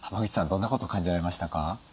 どんなこと感じられましたか？